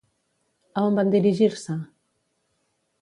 A on van dirigir-se?